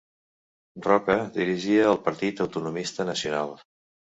Roca dirigia el Partit Autonomista Nacional.